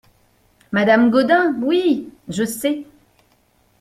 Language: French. Madame Gaudin Oui ! je sais …